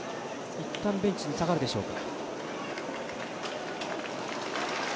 いったんベンチに下がるでしょうか。